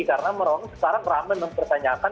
karena sekarang ramai mempertanyakan